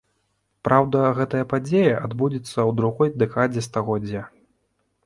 Праўда, гэтая падзея адбудзецца ў другой дэкадзе стагоддзя.